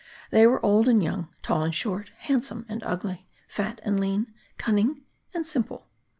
They were old and young, tall and short, handsome and ugly, fat and lean, cunning and simple.